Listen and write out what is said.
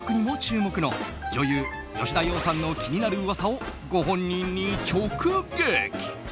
今日は歌唱力にも注目の女優・吉田羊さんの気になる噂をご本人に直撃。